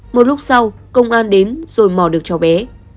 một lúc sau công an đến rồi mỏ được cháu bé